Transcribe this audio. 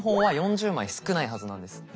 ４０枚少ないはずなんです。